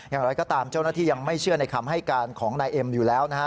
อย่างไรก็ตามเจ้าหน้าที่ยังไม่เชื่อในคำให้การของนายเอ็มอยู่แล้วนะฮะ